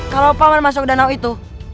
kalau paman masuk danau itu